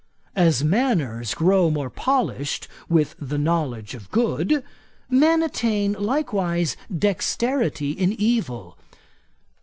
As manners grow more polished, with the knowledge of good, men attain likewise dexterity in evil.